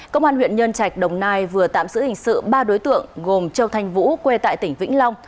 công an huyện nhân trạch đồng nai vừa tạm giữ hình sự ba đối tượng gồm châu thanh vũ quê tại tỉnh vĩnh long